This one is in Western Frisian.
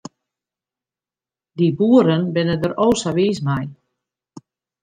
Dy boeren binne der o sa wiis mei.